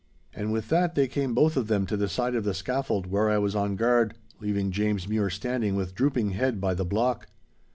And with that they came both of them to the side of the scaffold where I was on guard, leaving James Mure standing with drooping head by the block.